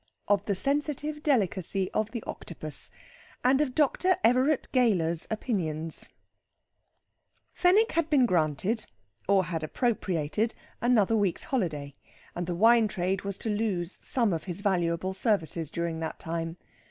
OF THE SENSITIVE DELICACY OF THE OCTOPUS. AND OF DR. EVERETT GAYLER'S OPINIONS Fenwick had been granted, or had appropriated, another week's holiday, and the wine trade was to lose some of his valuable services during that time.